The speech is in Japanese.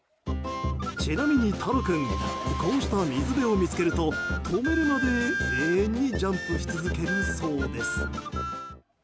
ちなみに、タロ君こうした水辺を見つけると止めるまで永遠にジャンプし続けるそうです。